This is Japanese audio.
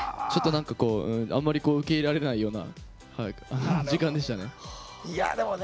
あんまり受け入れられないような時間でしたね。